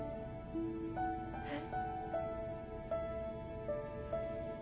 えっ？